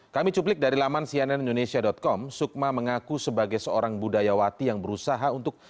kami cuplik dari laman cnn indonesia com sukma mengaku sebagai seorang budaya wati yang berusaha untuk